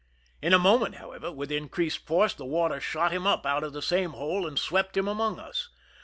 In a moment, however, with increased force, the water shot him up out of the same hole and swept him among us.